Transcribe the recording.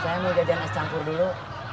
saya mau jajan es campur dulu